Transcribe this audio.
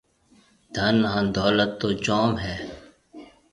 ڌن هانَ دولت تو جوم هيَ۔